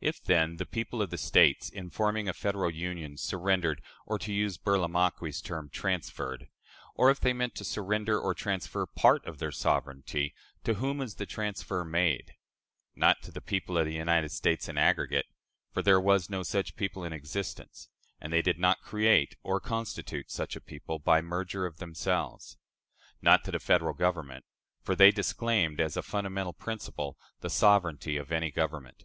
If, then, the people of the States, in forming a Federal Union, surrendered or, to use Burlamaqui's term, transferred or if they meant to surrender or transfer part of their sovereignty, to whom was the transfer made? Not to "the people of the United States in the aggregate"; for there was no such people in existence, and they did not create or constitute such a people by merger of themselves. Not to the Federal Government; for they disclaimed, as a fundamental principle, the sovereignty of any government.